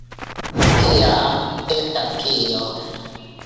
Tiam, estas kio?